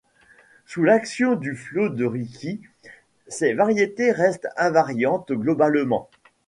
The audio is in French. Sous l'action du flot de Ricci, ces variétés restent invariantes globalement.